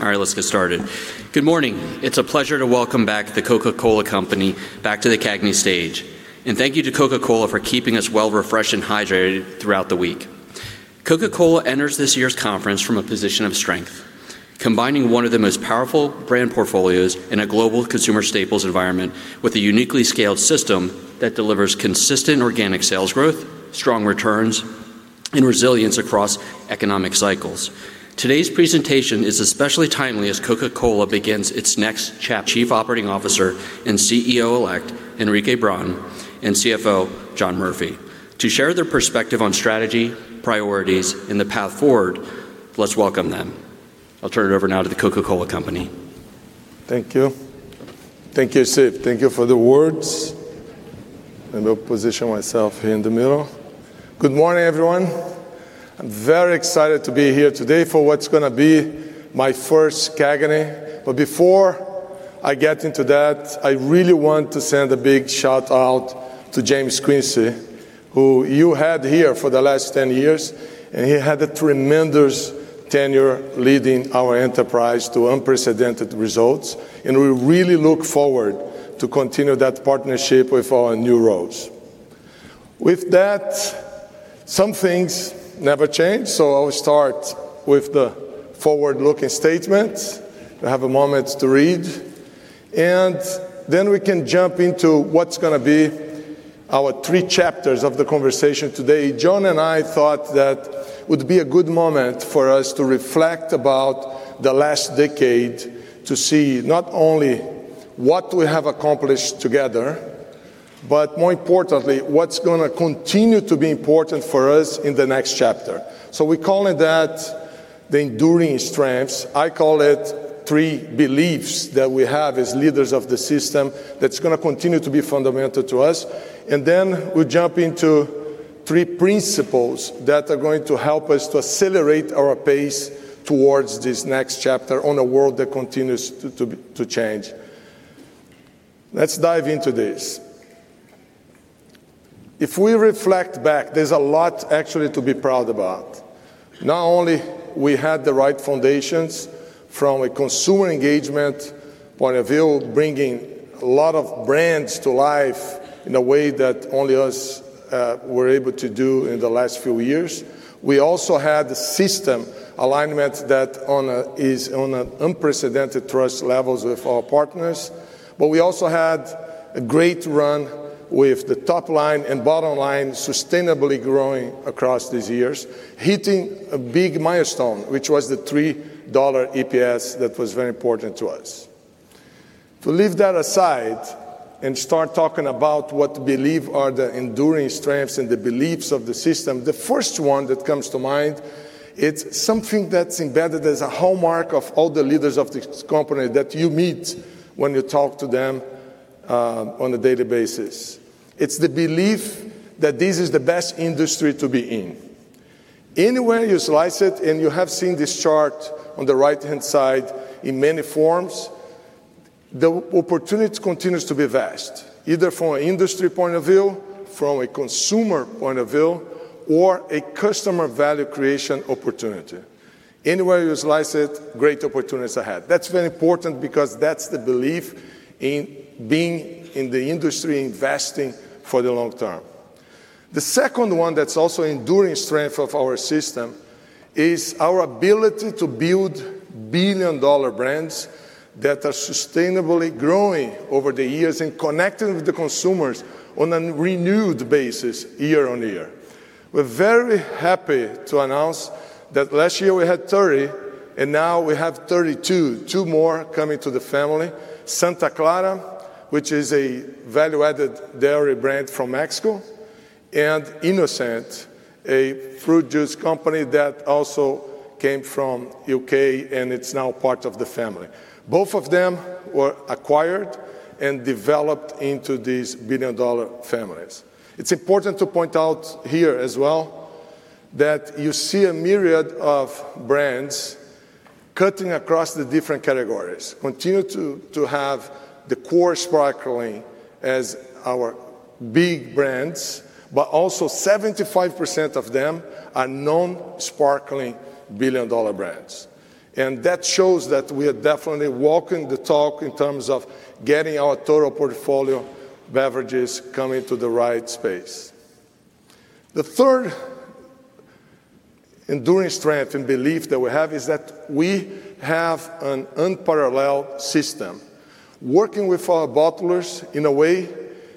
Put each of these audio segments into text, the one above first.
All right, let's get started. Good morning! It's a pleasure to welcome back The Coca-Cola Company back to the CAGNY stage, and thank you to Coca-Cola for keeping us well refreshed and hydrated throughout the week. Coca-Cola enters this year's conference from a position of strength, combining one of the most powerful brand portfolios in a global consumer staples environment with a uniquely scaled system that delivers consistent organic sales growth, strong returns, and resilience across economic cycles. Today's presentation is especially timely as Coca-Cola begins its next chapter. Chief Operating Officer and CEO-elect Henrique Braun, and CFO John Murphy. To share their perspective on strategy, priorities, and the path forward, let's welcome them. I'll turn it over now to The Coca-Cola Company. Thank you. Thank you, Steve. Thank you for the words. I will position myself here in the middle. Good morning, everyone. I'm very excited to be here today for what's gonna be my first CAGNY. But before I get into that, I really want to send a big shout-out to James Quincey, who you had here for the last 10 years, and he had a tremendous tenure leading our enterprise to unprecedented results, and we really look forward to continue that partnership with our new roles. With that, some things never change, so I'll start with the forward-looking statement. You have a moment to read, and then we can jump into what's gonna be our three chapters of the conversation today. John and I thought that it would be a good moment for us to reflect about the last decade, to see not only what we have accomplished together, but more importantly, what's gonna continue to be important for us in the next chapter. So we're calling that the enduring strengths. I call it three beliefs that we have as leaders of the system that's gonna continue to be fundamental to us, and then we jump into three principles that are going to help us to accelerate our pace towards this next chapter on a world that continues to change. Let's dive into this. If we reflect back, there's a lot actually to be proud about. Not only we had the right foundations from a consumer engagement point of view, bringing a lot of brands to life in a way that only us were able to do in the last few years. We also had system alignment that is on an unprecedented trust levels with our partners, but we also had a great run with the top line and bottom line sustainably growing across these years, hitting a big milestone, which was the $3 EPS that was very important to us. To leave that aside and start talking about what we believe are the enduring strengths and the beliefs of the system, the first one that comes to mind, it's something that's embedded as a hallmark of all the leaders of this company that you meet when you talk to them on a daily basis. It's the belief that this is the best industry to be in. Any way you slice it, and you have seen this chart on the right-hand side in many forms, the opportunity continues to be vast, either from an industry point of view, from a consumer point of view, or a customer value creation opportunity. Any way you slice it, great opportunities ahead. That's very important because that's the belief in being in the industry, investing for the long term. The second one that's also enduring strength of our system is our ability to build billion-dollar brands that are sustainably growing over the years and connecting with the consumers on a renewed basis year on year. We're very happy to announce that last year we had 30, and now we have 32, two more coming to the family. Santa Clara, which is a value-added dairy brand from Mexico, and innocent, a fruit juice company that also came from U.K., and it's now part of the family. Both of them were acquired and developed into these billion-dollar families. It's important to point out here as well, that you see a myriad of brands cutting across the different categories, continue to have the core sparkling as our big brands, but also 75% of them are non-sparkling billion-dollar brands. That shows that we are definitely walking the talk in terms of getting our total portfolio beverages coming to the right space. The third enduring strength and belief that we have is that we have an unparalleled system, working with our bottlers in a way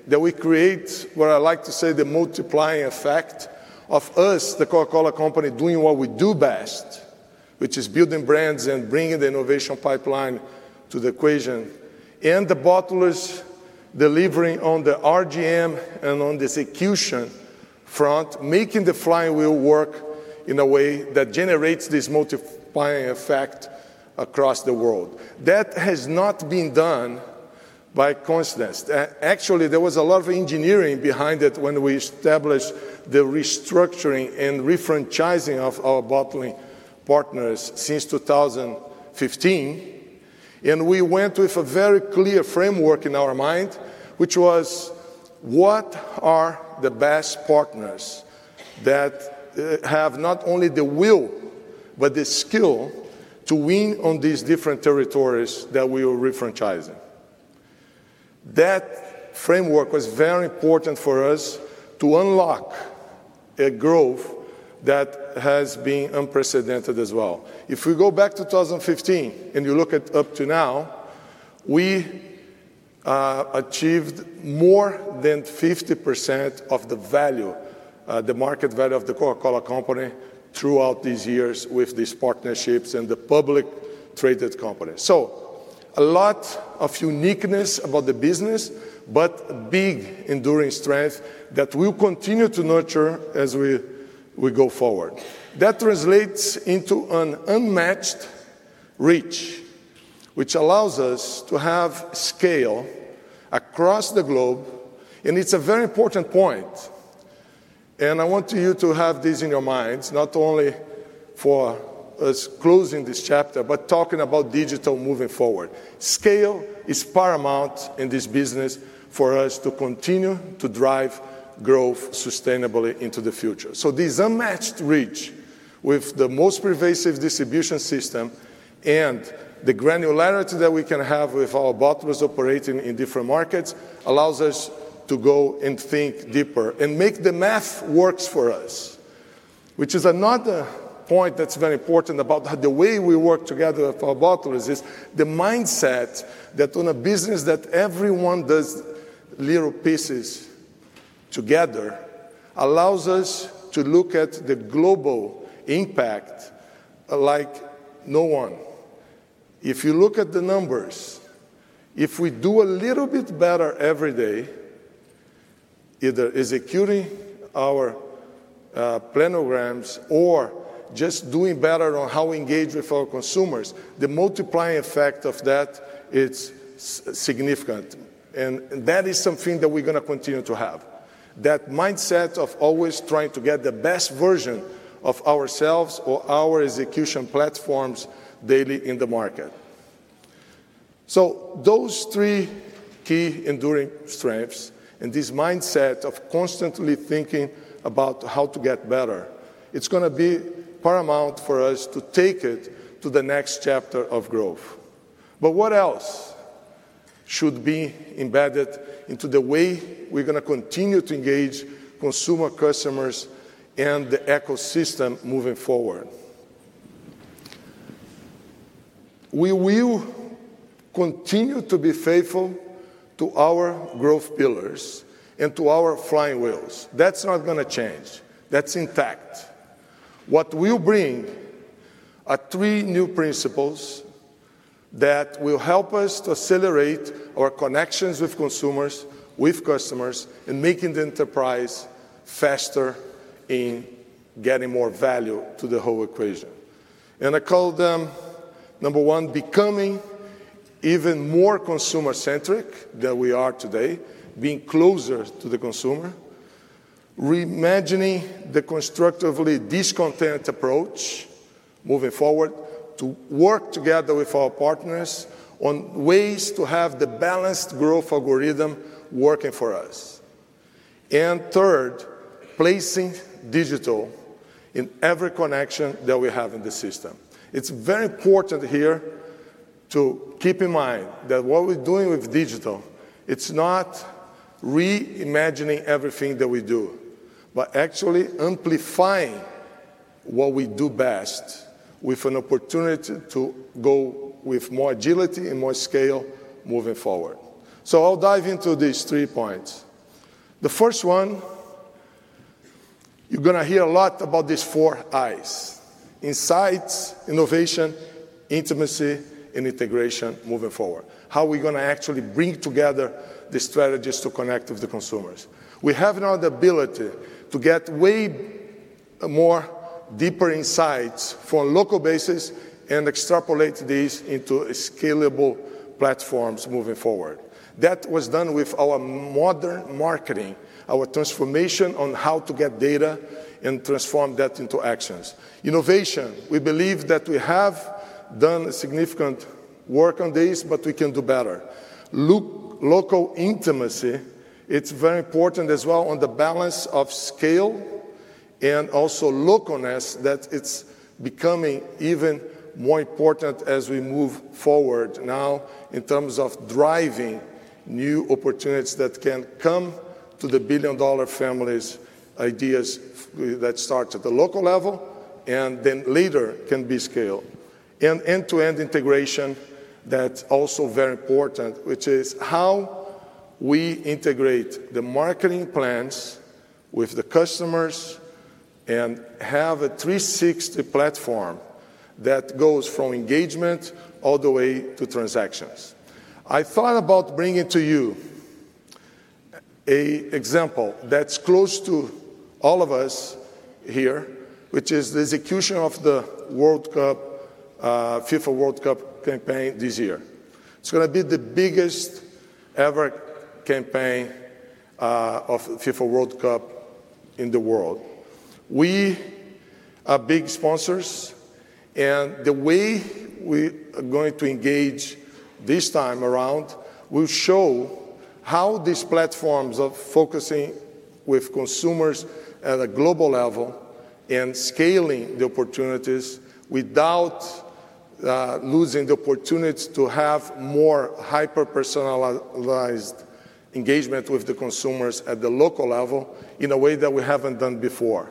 that we create what I like to say, the multiplying effect of us, The Coca-Cola Company, doing what we do best, which is building brands and bringing the innovation pipeline to the equation, and the bottlers delivering on the RGM and on the execution front, making the flywheel work in a way that generates this multiplying effect across the world. That has not been done by coincidence. Actually, there was a lot of engineering behind it when we established the restructuring and refranchising of our bottling partners since 2015. We went with a very clear framework in our mind, which was, what are the best partners that have not only the will, but the skill to win on these different territories that we are refranchising? That framework was very important for us to unlock a growth that has been unprecedented as well. If we go back to 2015, and you look at up to now, we achieved more than 50% of the value, the market value of the Coca-Cola Company throughout these years with these partnerships and the publicly traded company. So a lot of uniqueness about the business, but big enduring strength that we'll continue to nurture as we go forward. That translates into an unmatched reach, which allows us to have scale across the globe, and it's a very important point, and I want you to have this in your minds, not only for us closing this chapter, but talking about digital moving forward. Scale is paramount in this business for us to continue to drive growth sustainably into the future. So this unmatched reach with the most pervasive distribution system and the granularity that we can have with our bottlers operating in different markets, allows us to go and think deeper, and make the math works for us. Which is another point that's very important about the way we work together with our bottlers, is the mindset that on a business that everyone does little pieces together, allows us to look at the global impact like no one. If you look at the numbers, if we do a little bit better every day, either executing our planograms or just doing better on how we engage with our consumers, the multiplying effect of that, it's significant. And, and that is something that we're gonna continue to have, that mindset of always trying to get the best version of ourselves or our execution platforms daily in the market. So those three key enduring strengths and this mindset of constantly thinking about how to get better, it's gonna be paramount for us to take it to the next chapter of growth. But what else should be embedded into the way we're gonna continue to engage consumer, customers, and the ecosystem moving forward? We will continue to be faithful to our growth pillars and to our flywheels. That's not gonna change. That's intact. What we'll bring are three new principles that will help us to accelerate our connections with consumers, with customers, in making the enterprise faster in getting more value to the whole equation. I call them, number one, becoming even more consumer-centric than we are today, being closer to the consumer, reimagining the constructively discontent approach, moving forward, to work together with our partners on ways to have the balanced growth algorithm working for us. Third, placing digital in every connection that we have in the system. It's very important here to keep in mind that what we're doing with digital, it's not reimagining everything that we do, but actually amplifying what we do best with an opportunity to go with more agility and more scale moving forward. I'll dive into these three points. The first one, you're gonna hear a lot about these four Is: insights, innovation, intimacy, and integration moving forward. How we're gonna actually bring together the strategies to connect with the consumers. We have now the ability to get way more deeper insights from local bases and extrapolate these into scalable platforms moving forward. That was done with our modern marketing, our transformation on how to get data and transform that into actions. Innovation, we believe that we have done significant work on this, but we can do better. Local intimacy, it's very important as well on the balance of scale and also localness, that it's becoming even more important as we move forward now in terms of driving new opportunities that can come to the billion-dollar families, ideas that start at the local level, and then later can be scaled. End-to-end integration, that's also very important, which is how we integrate the marketing plans with the customers and have a 360 platform that goes from engagement all the way to transactions. I thought about bringing to you a example that's close to all of us here, which is the execution of the World Cup, FIFA World Cup campaign this year. It's gonna be the biggest ever campaign of FIFA World Cup in the world. We are big sponsors, and the way we are going to engage this time around will show how these platforms of focusing with consumers at a global level and scaling the opportunities without losing the opportunity to have more hyper-personalized engagement with the consumers at the local level in a way that we haven't done before.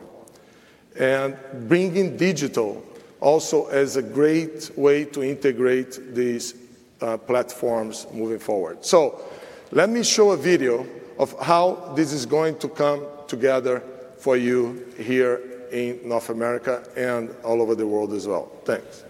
Bringing digital also is a great way to integrate these platforms moving forward. So let me show a video of how this is going to come together for you here in North America and all over the world as well. Thanks.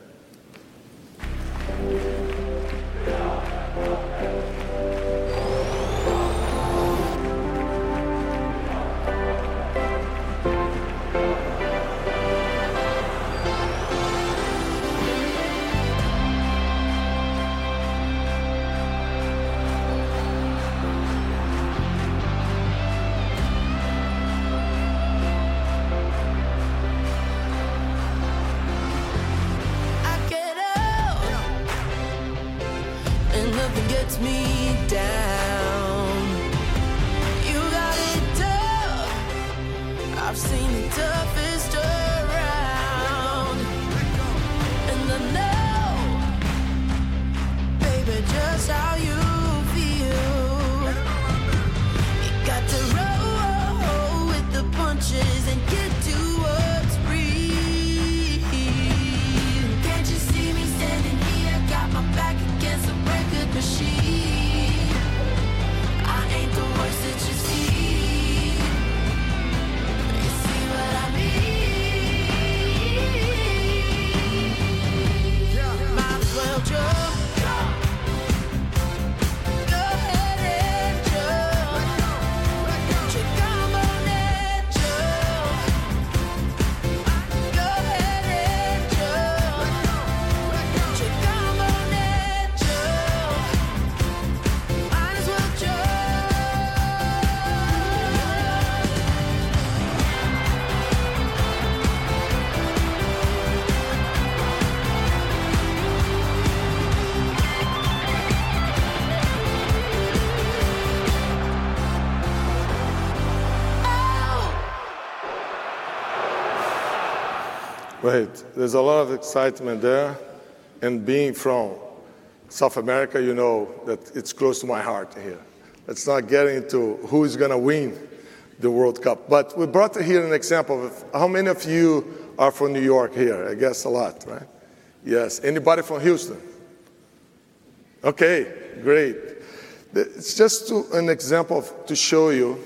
Great! There's a lot of excitement there, and being from South America, you know that it's close to my heart here. Let's not get into who is gonna win the World Cup, but we brought here an example of... How many of you are from New York here? I guess a lot, right? Yes. Anybody from Houston? Okay, great. It's just an example to show you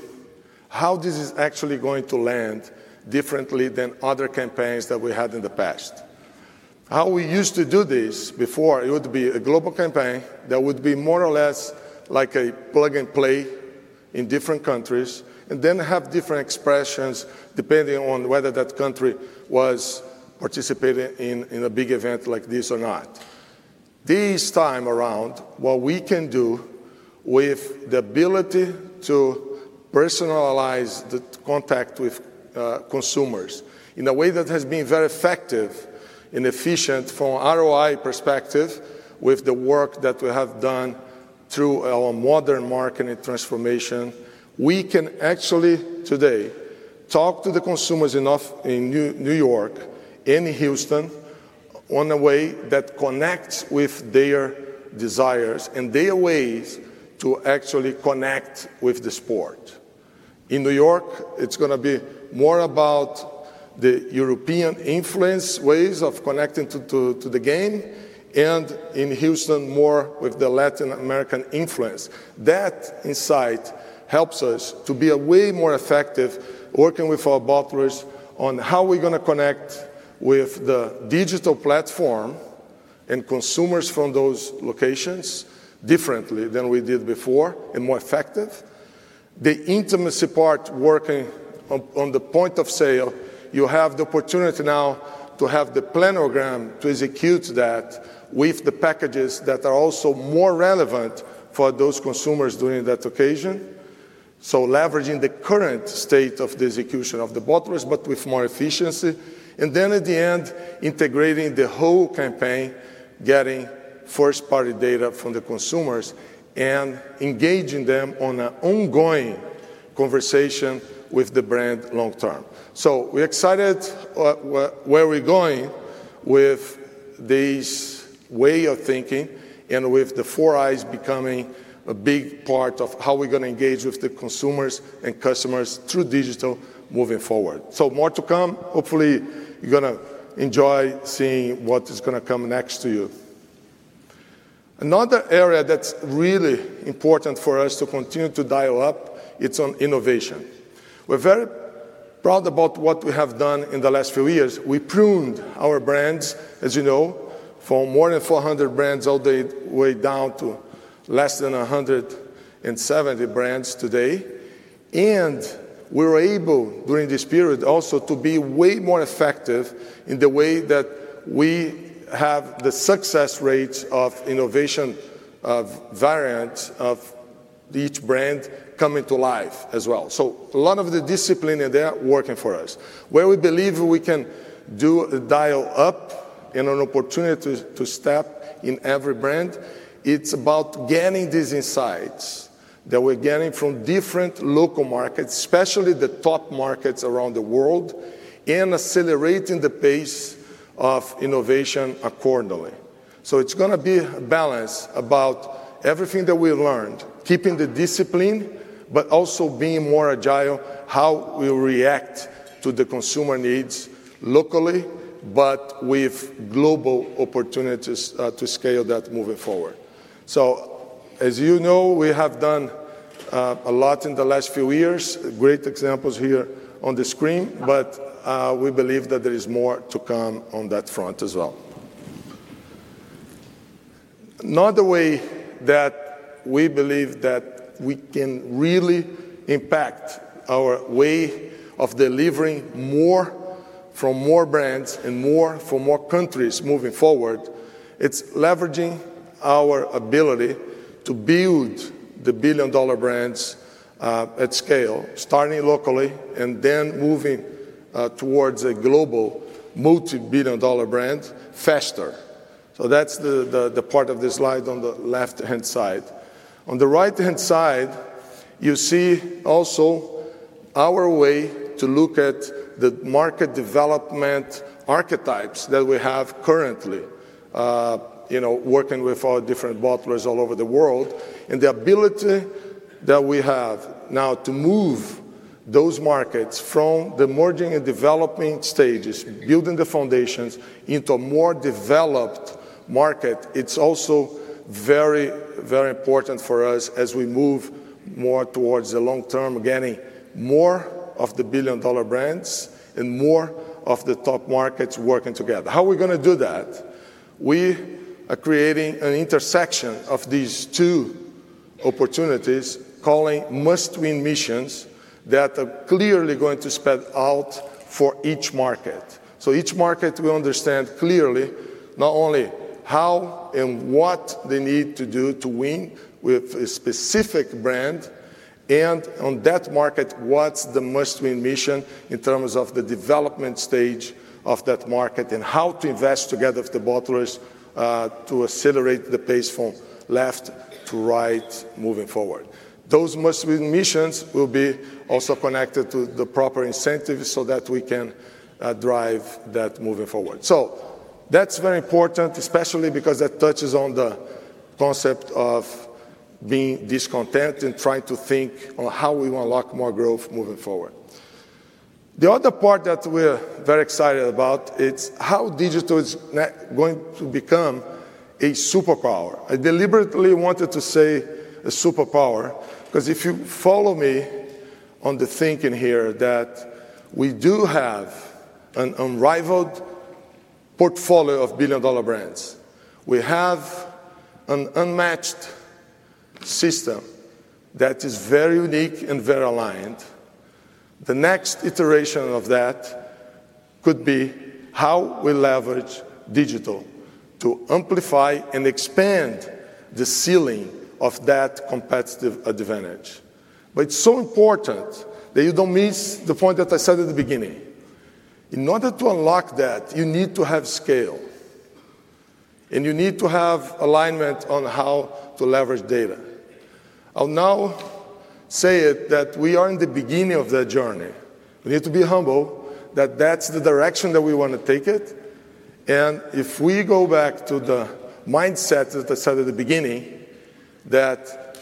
how this is actually going to land differently than other campaigns that we had in the past. How we used to do this before, it would be a global campaign that would be more or less like a plug-and-play in different countries, and then have different expressions depending on whether that country was participating in a big event like this or not. This time around, what we can do with the ability to personalize the contact with consumers in a way that has been very effective and efficient from an ROI perspective with the work that we have done through our modern marketing transformation, we can actually today talk to the consumers enough in New York and Houston on a way that connects with their desires and their ways to actually connect with the sport. In New York, it's gonna be more about the European influence, ways of connecting to the game, and in Houston, more with the Latin American influence. That insight helps us to be a way more effective working with our bottlers on how we're gonna connect with the digital platform and consumers from those locations differently than we did before, and more effective. The intimacy part, working on the point of sale, you have the opportunity now to have the planogram to execute that with the packages that are also more relevant for those consumers during that occasion. So leveraging the current state of the execution of the bottlers, but with more efficiency, and then at the end, integrating the whole campaign, getting first-party data from the consumers and engaging them on an ongoing conversation with the brand long term. So we're excited, where we're going with this way of thinking and with the four I's becoming a big part of how we're gonna engage with the consumers and customers through digital moving forward. So more to come. Hopefully, you're gonna enjoy seeing what is gonna come next to you. Another area that's really important for us to continue to dial up, it's on innovation. We're very proud about what we have done in the last few years. We pruned our brands, as you know, from more than 400 brands all the way down to less than 170 brands today. And we were able, during this period, also to be way more effective in the way that we have the success rates of innovation, of variants, of each brand coming to life as well. So a lot of the discipline in there are working for us. Where we believe we can do, dial up and an opportunity to, to step in every brand, it's about gaining these insights that we're getting from different local markets, especially the top markets around the world, and accelerating the pace of innovation accordingly. So it's gonna be a balance about everything that we learned, keeping the discipline, but also being more agile, how we react to the consumer needs locally, but with global opportunities, to scale that moving forward. So as you know, we have done, a lot in the last few years, great examples here on the screen, but, we believe that there is more to come on that front as well. Another way that we believe that we can really impact our way of delivering more from more brands and more from more countries moving forward, it's leveraging our ability to build the billion-dollar brands at scale, starting locally and then moving towards a global multi-billion dollar brand faster. So that's the part of the slide on the left-hand side. On the right-hand side, you see also our way to look at the market development archetypes that we have currently, you know, working with our different bottlers all over the world, and the ability that we have now to move those markets from the emerging and developing stages, building the foundations, into a more developed market. It's also very, very important for us as we move more towards the long term, gaining more of the billion-dollar brands and more of the top markets working together. How are we gonna do that? We are creating an intersection of these two opportunities, calling Must Win Missions, that are clearly going to spell out for each market. So each market will understand clearly not only how and what they need to do to win with a specific brand, and on that market, what's the Must Win Mission in terms of the development stage of that market and how to invest together with the bottlers to accelerate the pace from left to right moving forward. Those Must Win Missions will be also connected to the proper incentives so that we can drive that moving forward. So that's very important, especially because that touches on the concept of being discontent and trying to think on how we will unlock more growth moving forward. The other part that we're very excited about, it's how digital is going to become a superpower. I deliberately wanted to say a superpower, 'cause if you follow me on the thinking here, that we do have an unrivaled portfolio of billion-dollar brands. We have an unmatched system that is very unique and very aligned. The next iteration of that could be how we leverage digital to amplify and expand the ceiling of that competitive advantage. But it's so important that you don't miss the point that I said at the beginning. In order to unlock that, you need to have scale, and you need to have alignment on how to leverage data. I'll now say it, that we are in the beginning of that journey. We need to be humble, that that's the direction that we want to take it, and if we go back to the mindset, as I said at the beginning, that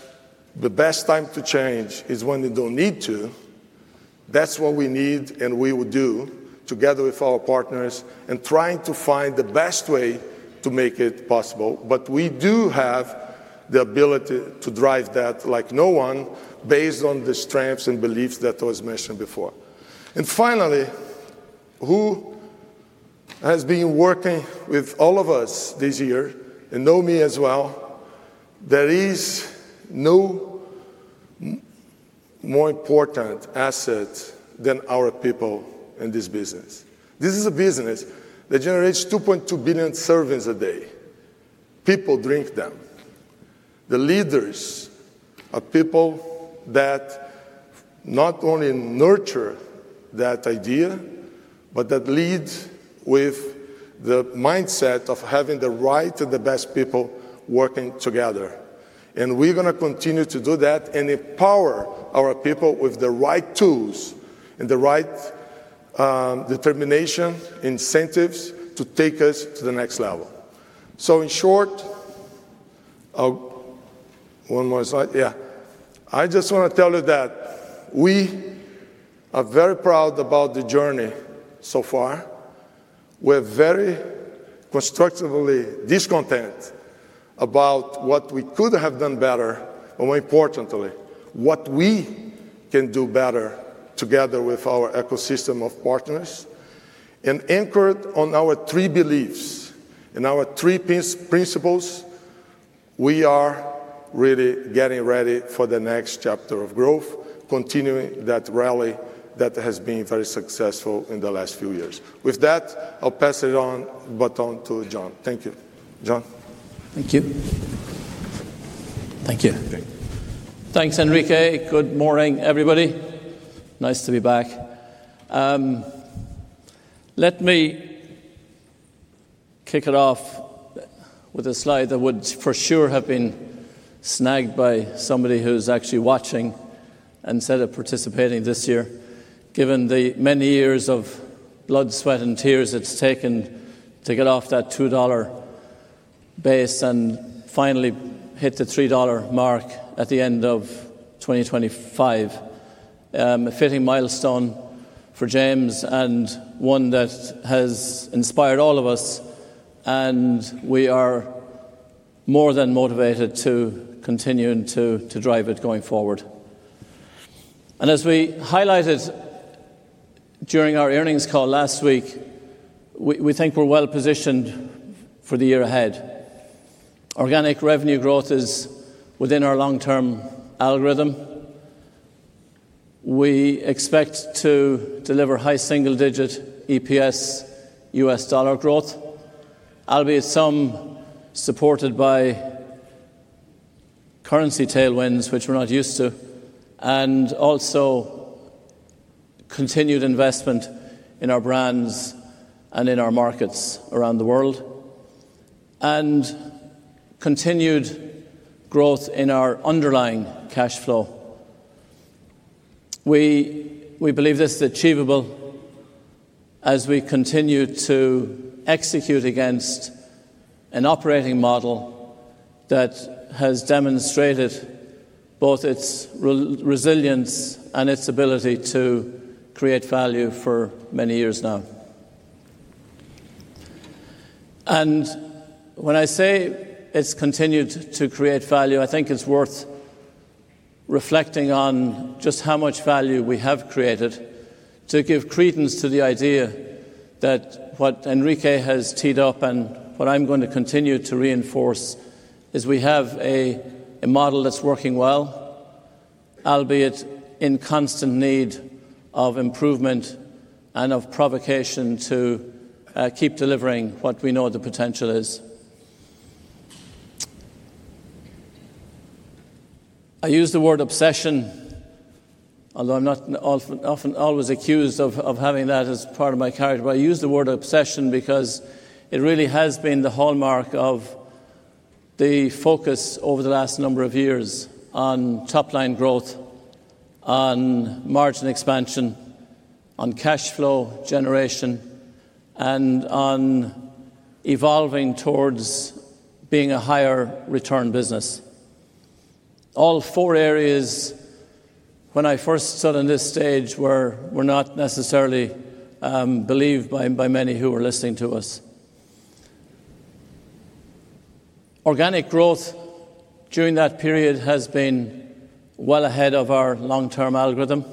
the best time to change is when you don't need to, that's what we need, and we will do together with our partners in trying to find the best way to make it possible. But we do have the ability to drive that like no one, based on the strengths and beliefs that was mentioned before. And finally, who has been working with all of us this year, and know me as well, there is no more important asset than our people in this business. This is a business that generates 2.2 billion servings a day. People drink them. The leaders are people that not only nurture that idea, but that lead with the mindset of having the right and the best people working together, and we're gonna continue to do that and empower our people with the right tools and the right, determination, incentives to take us to the next level. So in short, One more slide? Yeah. I just want to tell you that we are very proud about the journey so far. We're very constructively discontent about what we could have done better, but more importantly, what we can do better together with our ecosystem of partners. And anchored on our three beliefs and our three principles, we are really getting ready for the next chapter of growth, continuing that rally that has been very successful in the last few years. With that, I'll pass it on, baton to John. Thank you. John? Thank you. Thank you. Thanks, Henrique. Good morning, everybody. Nice to be back. Let me kick it off with a slide that would for sure have been snagged by somebody who's actually watching instead of participating this year, given the many years of blood, sweat, and tears it's taken to get off that $2 base and finally hit the $3 mark at the end of 2025. A fitting milestone for James and one that has inspired all of us, and we are more than motivated to continue to drive it going forward. And as we highlighted during our earnings call last week, we think we're well positioned for the year ahead. Organic revenue growth is within our long-term algorithm. We expect to deliver high single-digit EPS US dollar growth, albeit some supported by currency tailwinds, which we're not used to, and also continued investment in our brands and in our markets around the world, and continued growth in our underlying cash flow. We, we believe this is achievable as we continue to execute against an operating model that has demonstrated both its resilience and its ability to create value for many years now. And when I say it's continued to create value, I think it's worth reflecting on just how much value we have created to give credence to the idea that what Henrique has teed up and what I'm going to continue to reinforce, is we have a, a model that's working well, albeit in constant need of improvement and of provocation to keep delivering what we know the potential is. I use the word obsession, although I'm not often always accused of having that as part of my character, but I use the word obsession because it really has been the hallmark of the focus over the last number of years on top line growth, on margin expansion, on cash flow generation, and on evolving towards being a higher return business. All four areas, when I first stood on this stage, were not necessarily believed by many who were listening to us. Organic growth during that period has been well ahead of our long-term algorithm.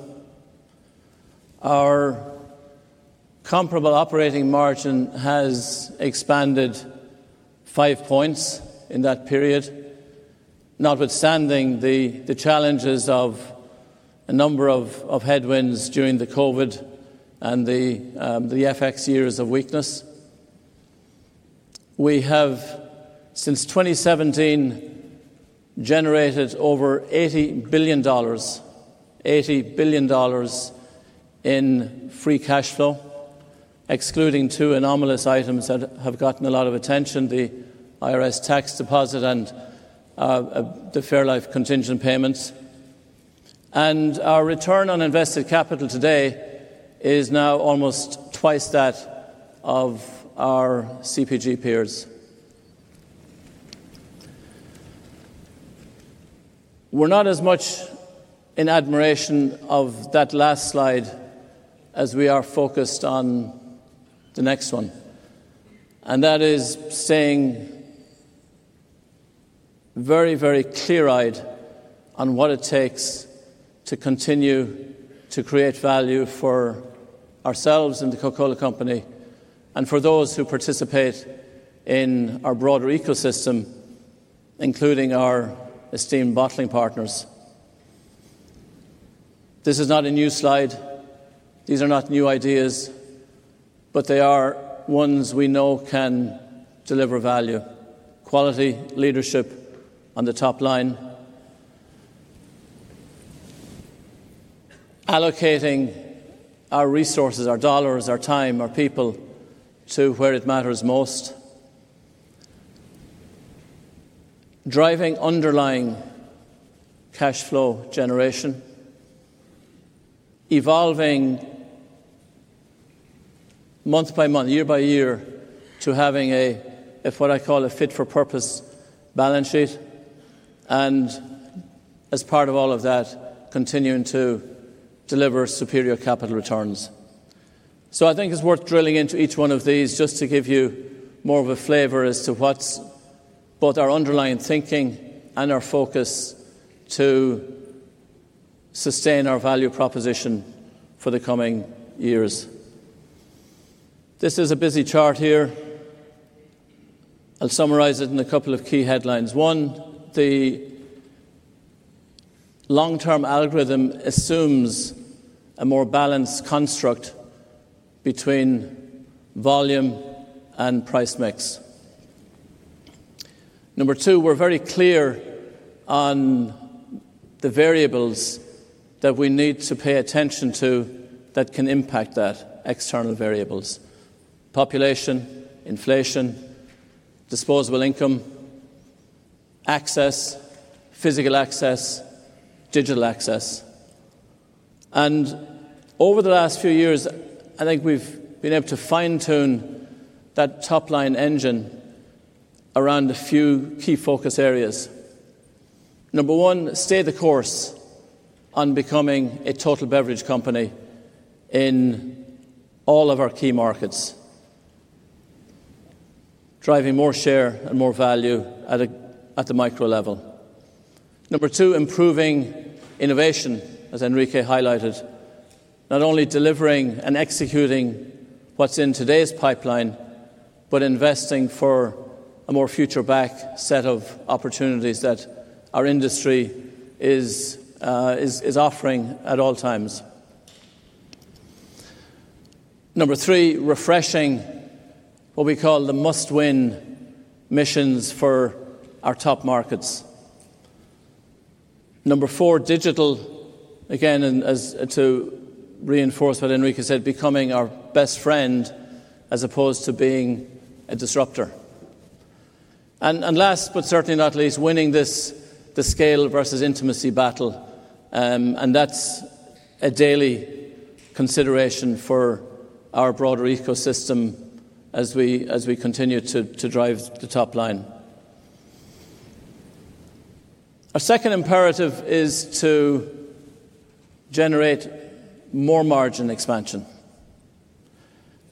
Our comparable operating margin has expanded five points in that period, notwithstanding the challenges of a number of headwinds during the COVID and the FX years of weakness. We have, since 2017, generated over $80 billion, $80 billion in free cash flow, excluding two anomalous items that have gotten a lot of attention, the IRS tax deposit and the fairlife contingent payments. And our return on invested capital today is now almost twice that of our CPG peers. We're not as much in admiration of that last slide as we are focused on the next one, and that is staying very, very clear-eyed on what it takes to continue to create value for ourselves in The Coca-Cola Company and for those who participate in our broader ecosystem, including our esteemed bottling partners. This is not a new slide. These are not new ideas, but they are ones we know can deliver value. Quality leadership on the top line. Allocating our resources, our dollars, our time, our people to where it matters most. Driving underlying cash flow generation. Evolving month by month, year by year, to having a, what I call, a fit for purpose balance sheet, and as part of all of that, continuing to deliver superior capital returns. So I think it's worth drilling into each one of these, just to give you more of a flavor as to what's both our underlying thinking and our focus to sustain our value proposition for the coming years. This is a busy chart here. I'll summarize it in a couple of key headlines. One, the long-term algorithm assumes a more balanced construct between volume and price mix. Number two, we're very clear on the variables that we need to pay attention to that can impact that, external variables: population, inflation, disposable income, access, physical access, digital access. Over the last few years, I think we've been able to fine-tune that top line engine around a few key focus areas. Number one, stay the course on becoming a total beverage company in all of our key markets, driving more share and more value at the micro level. Number two, improving innovation, as Henrique highlighted. Not only delivering and executing what's in today's pipeline, but investing for a more future back set of opportunities that our industry is offering at all times. Number three, refreshing what we call the Must Win Missions for our top markets. Number four, digital, again, and to reinforce what Henrique said, becoming our best friend as opposed to being a disruptor. Last, but certainly not least, winning this, the scale versus intimacy battle, and that's a daily consideration for our broader ecosystem as we continue to drive the top line. Our second imperative is to generate more margin expansion.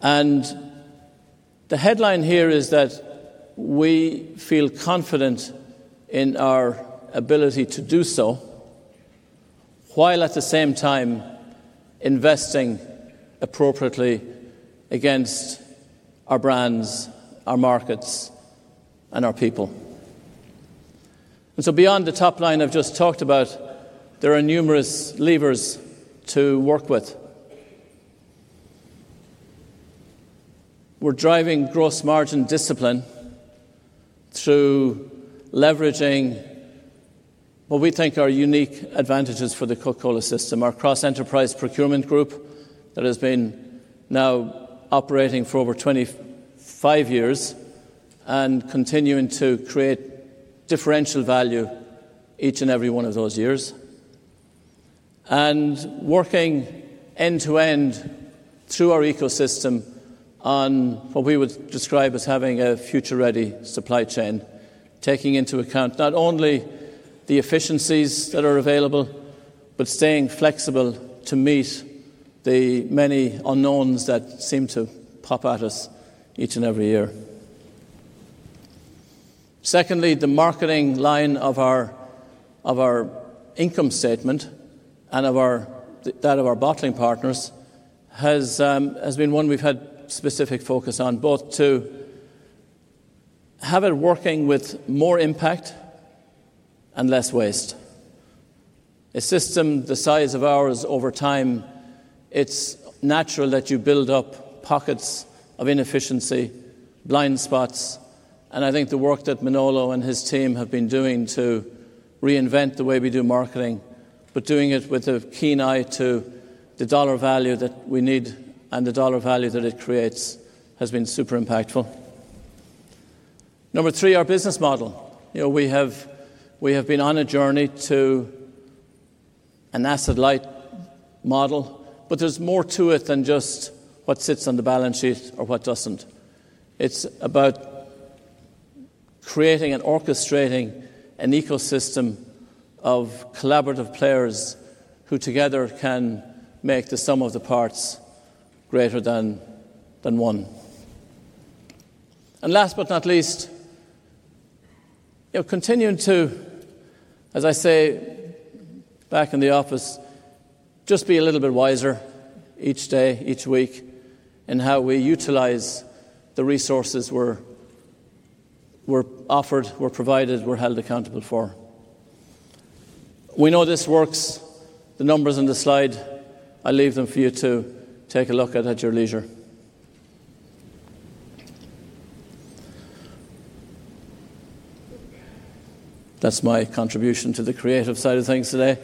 The headline here is that we feel confident in our ability to do so, while at the same time investing appropriately against our brands, our markets, and our people. Beyond the top line I've just talked about, there are numerous levers to work with. We're driving gross margin discipline through leveraging what we think are unique advantages for the Coca-Cola system, our cross-enterprise procurement group that has been now operating for over 25 years and continuing to create differential value each and every one of those years. Working end-to-end through our ecosystem on what we would describe as having a future-ready supply chain, taking into account not only the efficiencies that are available, but staying flexible to meet the many unknowns that seem to pop at us each and every year. Secondly, the marketing line of our income statement and that of our bottling partners has been one we've had specific focus on, both to have it working with more impact and less waste. A system the size of ours over time, it's natural that you build up pockets of inefficiency, blind spots, and I think the work that Manolo and his team have been doing to reinvent the way we do marketing, but doing it with a keen eye to the dollar value that we need and the dollar value that it creates, has been super impactful. Number three, our business model. You know, we have, we have been on a journey to an asset-light model, but there's more to it than just what sits on the balance sheet or what doesn't. It's about creating and orchestrating an ecosystem of collaborative players who together can make the sum of the parts greater than one. And last but not least, you know, continuing to, as I say, back in the office, just be a little bit wiser each day, each week, in how we utilize the resources we're, we're offered, we're provided, we're held accountable for. We know this works. The numbers on the slide, I'll leave them for you to take a look at, at your leisure. That's my contribution to the creative side of things today.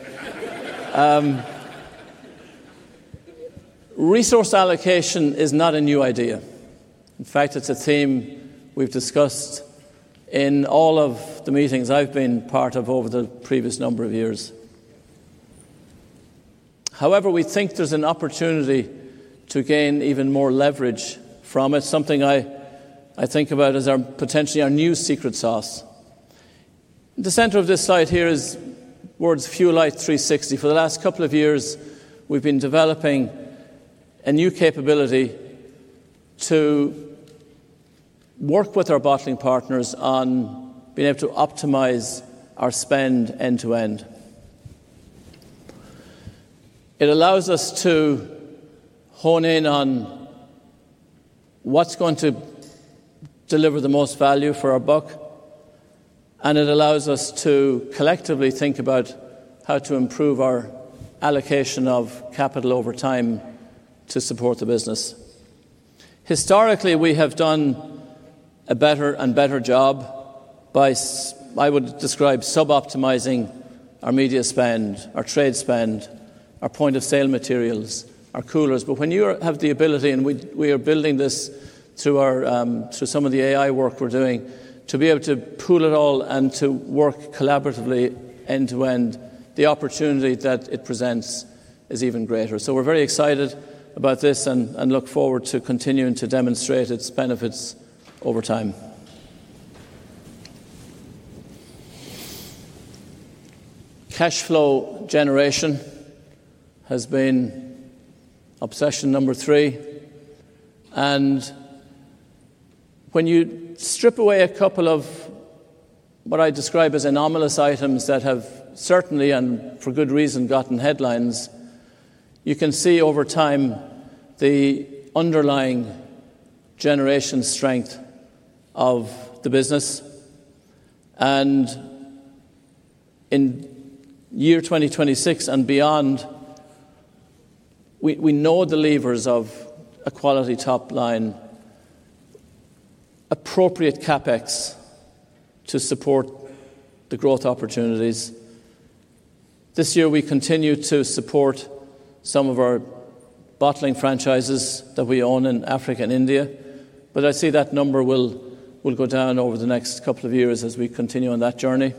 Resource allocation is not a new idea. In fact, it's a theme we've discussed in all of the meetings I've been part of over the previous number of years. However, we think there's an opportunity to gain even more leverage from it, something I, I think about as our, potentially our new secret sauce. The center of this slide here is words Fuel Life 360. For the last couple of years, we've been developing a new capability to work with our bottling partners on being able to optimize our spend end-to-end…. It allows us to hone in on what's going to deliver the most value for our buck, and it allows us to collectively think about how to improve our allocation of capital over time to support the business. Historically, we have done a better and better job by, I would describe sub-optimizing our media spend, our trade spend, our point of sale materials, our coolers. But when you have the ability, and we are building this through our through some of the AI work we're doing, to be able to pool it all and to work collaboratively end-to-end, the opportunity that it presents is even greater. So we're very excited about this and look forward to continuing to demonstrate its benefits over time. Cash flow generation has been obsession number three, and when you strip away a couple of what I describe as anomalous items that have certainly, and for good reason, gotten headlines, you can see over time the underlying generation strength of the business. In year 2026 and beyond, we know the levers of a quality top line, appropriate CapEx to support the growth opportunities. This year we continue to support some of our bottling franchises that we own in Africa and India, but I see that number will, will go down over the next couple of years as we continue on that journey.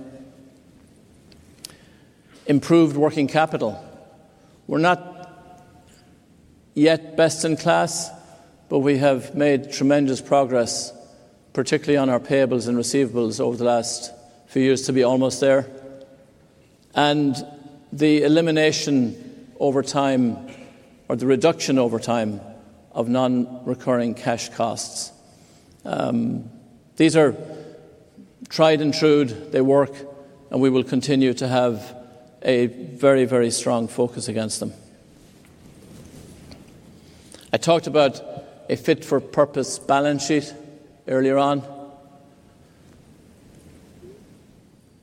Improved working capital. We're not yet best in class, but we have made tremendous progress, particularly on our payables and receivables over the last few years to be almost there. The elimination over time, or the reduction over time, of non-recurring cash costs. These are tried and true, they work, and we will continue to have a very, very strong focus against them. I talked about a fit for purpose balance sheet earlier on.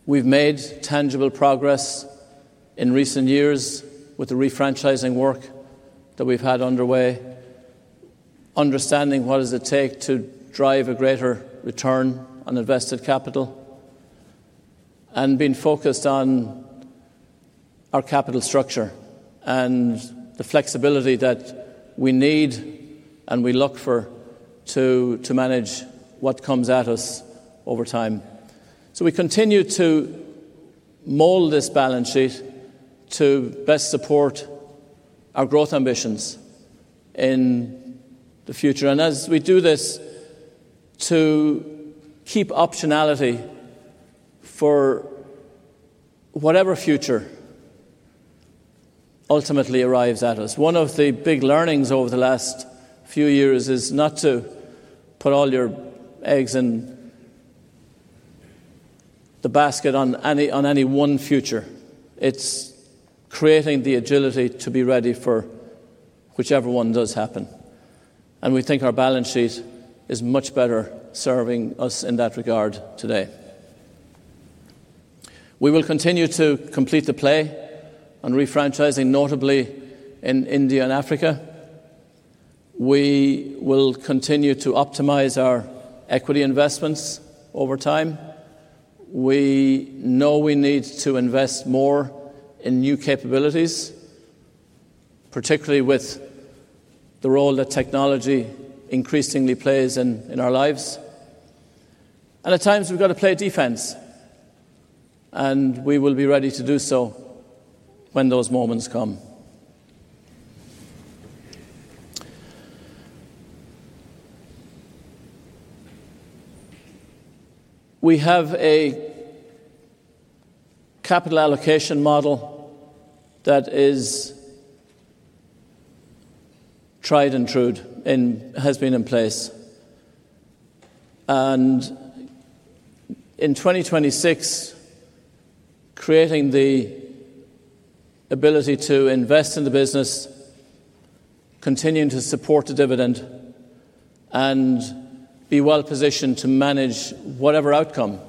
We've made tangible progress in recent years with the refranchising work that we've had underway, understanding what it takes to drive a greater return on invested capital, and being focused on our capital structure and the flexibility that we need and we look for to manage what comes at us over time. So we continue to mold this balance sheet to best support our growth ambitions in the future, and as we do this, to keep optionality for whatever future ultimately arrives at us. One of the big learnings over the last few years is not to put all your eggs in the basket on any one future. It's creating the agility to be ready for whichever one does happen, and we think our balance sheet is much better serving us in that regard today. We will continue to complete the play on refranchising, notably in India and Africa. We will continue to optimize our equity investments over time. We know we need to invest more in new capabilities, particularly with the role that technology increasingly plays in our lives. And at times, we've got to play defense, and we will be ready to do so when those moments come. We have a capital allocation model that is tried and true and has been in place. And in 2026, creating the ability to invest in the business, continuing to support the dividend, and be well-positioned to manage whatever outcome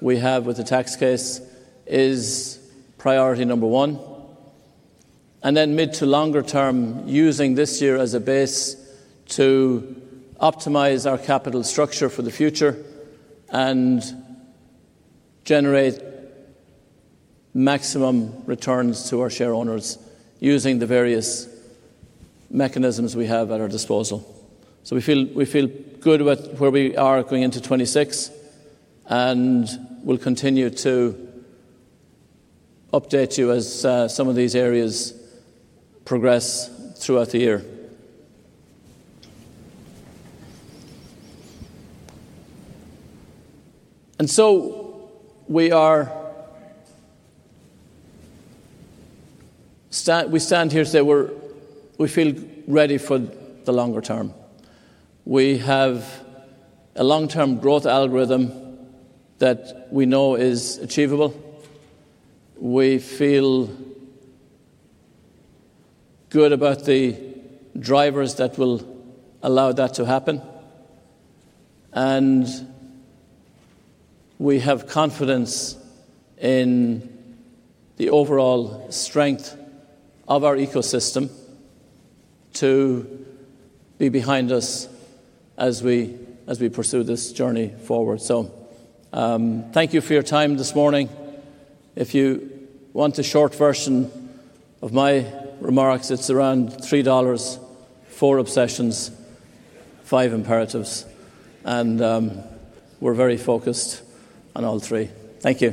we have with the tax case is priority number one. Then mid to longer-term, using this year as a base to optimize our capital structure for the future and generate maximum returns to our shareowners using the various mechanisms we have at our disposal. So we feel, we feel good with where we are going into 2026, and we'll continue to update you as some of these areas progress throughout the year. So we stand here and say we feel ready for the longer term. We have a long-term growth algorithm that we know is achievable. We feel good about the drivers that will allow that to happen, and we have confidence in the overall strength of our ecosystem to be behind us as we pursue this journey forward. So thank you for your time this morning. If you want a short version of my remarks, it's around $3, four obsessions, five imperatives, and we're very focused on all three. Thank you.